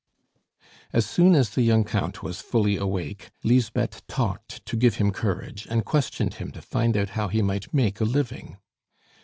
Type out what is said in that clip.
As soon as the young Count was fully awake, Lisbeth talked to give him courage, and questioned him to find out how he might make a living.